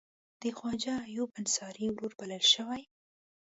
د خواجه ایوب انصاري ورور بلل شوی.